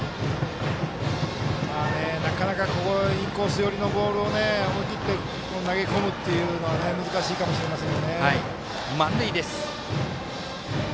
なかなか、ここでインコース寄りのボールを思い切って、投げ込むというのは難しいかもしれません。